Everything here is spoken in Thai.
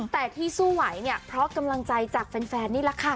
แต่ที่สู้ไหวเนี่ยเพราะกำลังใจจากแฟนนี่แหละค่ะ